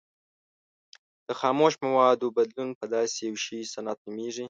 د خامو موادو بدلون په داسې یو شي صنعت نومیږي.